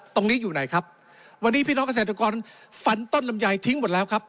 ตรงนี้อยู่ไหนครับวันนี้พี่น้องเกษตรกรฝันต้นลำไยทิ้งหมดแล้วครับ